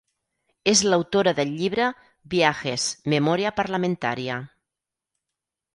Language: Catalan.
És l'autora del llibre "Viajes, memoria parlamentaria".